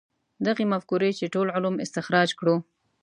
دغې مفکورې چې ټول علوم استخراج کړو.